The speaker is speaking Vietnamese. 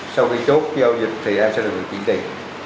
sau khi chốt giao dịch thì em sẽ được chuyển tiền